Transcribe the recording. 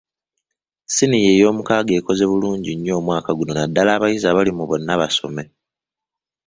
Siniya eyomukaaga ekoze bulungi nnyo omwaka guno naddala abayizi abali mu bonnabasome.